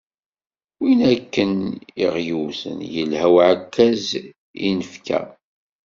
Win akken i ɣ-yewten, yelha uɛekkaz i s-nefka.